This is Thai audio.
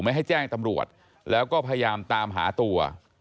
ให้แจ้งตำรวจแล้วก็พยายามตามหาตัว